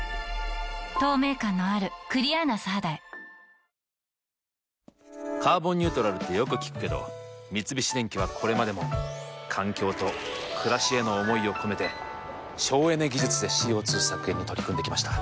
学校は月岡監督を厳重注意処「カーボンニュートラル」ってよく聞くけど三菱電機はこれまでも環境と暮らしへの思いを込めて省エネ技術でＣＯ２削減に取り組んできました。